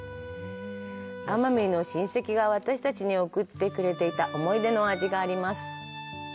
奄美の親戚が私たちに送ってくれていた思い出の味があります。